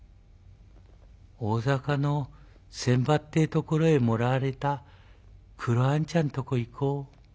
大坂の船場ってところへもらわれたクロあんちゃんとこ行こう。